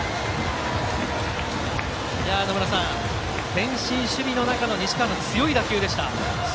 前進守備の中の西川の強い打球でした。